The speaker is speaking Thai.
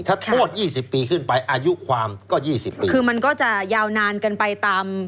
ถ้าโทษ๒๐ปีขึ้นไปอายุความก็๒๐ปีคือมันก็จะยาวนานกันไปตาม